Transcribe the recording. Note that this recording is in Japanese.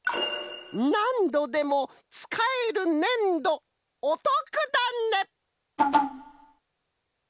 「なんどでもつかえるねんどおとくだね」。